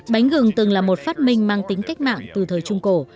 bánh gừng từng là một phát minh mang tính cách mạng từ thời trung cổ